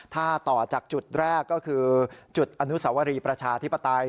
ถ้าต่อจากจุดแรกก็คือจุดอนุสวรีประชาธิปไตย